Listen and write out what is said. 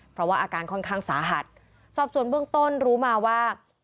เพราะว่าอาการค่อนข้างสาหัสสอบส่วนเบื้องต้นรู้มาว่า